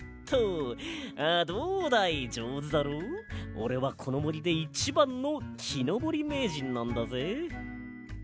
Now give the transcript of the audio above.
おれはこのもりでいちばんのきのぼりめいじんなんだぜ。